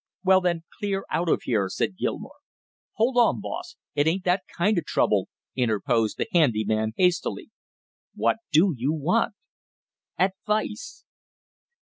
"Well, then, clear out of here!" said Gilmore. "Hold on, boss, it ain't that kind of trouble" interposed the handy man hastily. "What do you want?" "Advice."